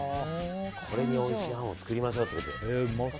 これにおいしいあんを作りましょうということで。